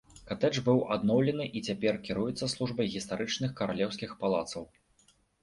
Катэдж быў адноўлены і цяпер кіруецца службай гістарычных каралеўскіх палацаў.